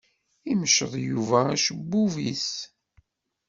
Imceḍ Yuba acebbub-is.